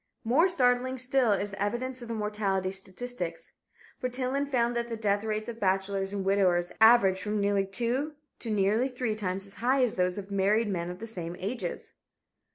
More startling still is the evidence of the mortality statistics. Bertillon found that the death rates of bachelors and widowers averaged from nearly two to nearly three times as high as those of married men of the same ages.